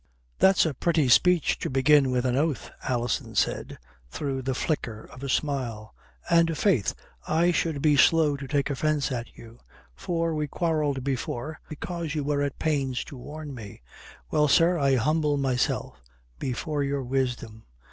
"That's a pretty speech to begin with an oath," Alison said, through the flicker of a smile. "And, faith, I should be slow to take offence at you. For we quarrelled before, because you were at pains to warn me. Well, sir, I humble myself before your wisdom."